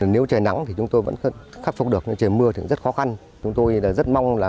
nếu trời nắng thì chúng tôi vẫn khắc phục được nhưng trời mưa thì cũng rất khó khăn chúng tôi rất mong là